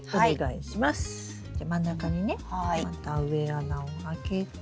じゃ真ん中にねまた植え穴を開けて。